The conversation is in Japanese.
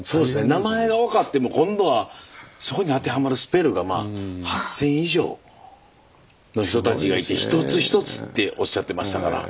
名前が分かっても今度はそこに当てはまるスペルがまあ８，０００以上の人たちがいて一つ一つっておっしゃってましたから。